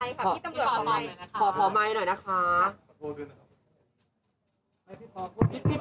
ขอขอขอไมค์หน่อยนะคะขอขอไมค์หน่อยนะคะขอขอไมค์หน่อยนะคะ